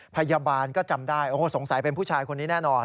พยาบาลก็จำได้โอ้โหสงสัยเป็นผู้ชายคนนี้แน่นอน